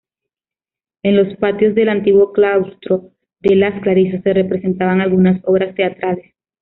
En los patios del antiguo claustro de las Clarisas se representaban algunas obras teatrales.